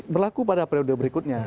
berlaku pada periode berikutnya